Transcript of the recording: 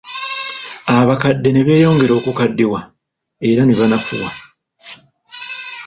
Abakadde ne beyongera okukaddiwa era ne banafuwa.